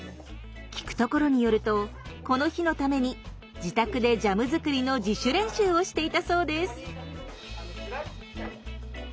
聞くところによるとこの日のために自宅でジャムづくりの自主練習をしていたそうです。